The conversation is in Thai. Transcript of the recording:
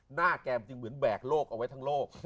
หน้าแกจึงเหมือนแบกโลกเอาไว้ทั้งโลก